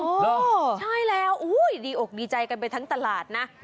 เหรอใช่แล้วอุ้ยดีอกดีใจกันไปทั้งตลาดนะ